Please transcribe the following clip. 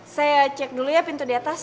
saya cek dulu ya pintu di atas